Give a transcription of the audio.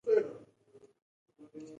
د سوشل میډیا تسلسل باور جوړوي.